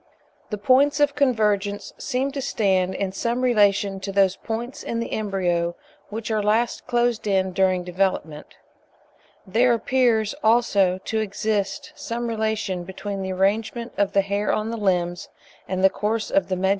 The points of convergence seem to stand in some relation to those points in the embryo which are last closed in during development. There appears, also, to exist some relation between the arrangement of the hair on the limbs, and the course of the medullary arteries.